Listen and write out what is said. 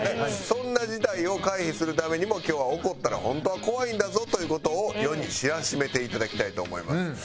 そんな事態を回避するためにも今日は怒ったら本当は怖いんだぞという事を世に知らしめていただきたいと思います。